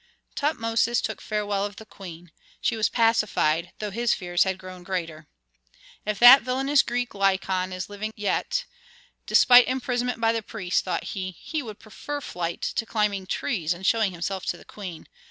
Tutmosis took farewell of the queen. She was pacified, though his fears had grown greater. "If that villainous Greek, Lykon, is living yet, despite imprisonment by the priests," thought he, "he would prefer flight to climbing trees and showing himself to the queen.